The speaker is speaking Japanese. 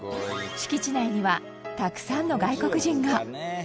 敷地内にはたくさんの外国人が。